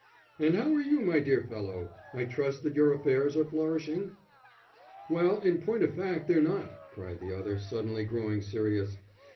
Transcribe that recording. "And how are you, my dear fellow? I trust that your affairs are flourishing." "Well, in point of fact they're not," cried the other, suddenly growing serious.